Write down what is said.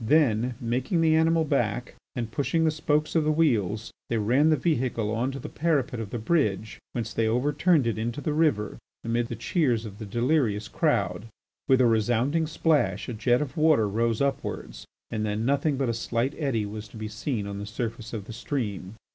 Then, making the animal back and pushing the spokes of the wheels, they ran the vehicle on to the parapet of the bridge, whence they overturned it into the river amid the cheers of the delirious crowd. With a resounding splash a jet of water rose upwards, and then nothing but a slight eddy was to be seen on the surface of the stream.